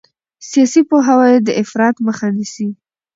سیاسي پوهاوی د افراط مخه نیسي